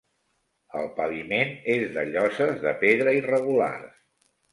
El paviment és de lloses de pedra irregulars.